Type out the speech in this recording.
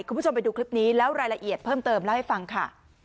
คุณผู้ชมไปดูคลิปนี้แล้วรายละเอียดเพิ่มเติมเล่าให้ฟังค่ะ